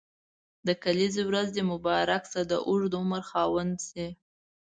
د کلیزي ورځ دي مبارک شه د اوږد عمر خاوند سي.